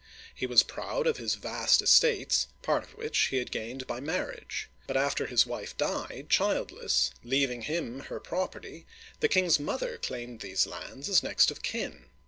He was proud of his vast estates, part of which he had gained by marriage. But after his wife died, childless, leaving him her property, the king's mother claimed these lands as next of kin.